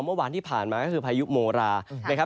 เมื่อวานที่ผ่านมาก็คือภายุโมรา